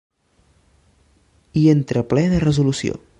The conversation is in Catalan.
Hi entrà ple de resolució.